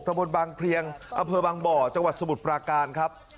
บนบางเพลียงอำเภอบางบ่อจังหวัดสมุทรปราการครับ